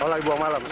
oh lagi buang malam